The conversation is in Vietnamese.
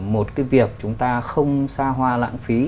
một cái việc chúng ta không xa hoa lãng phí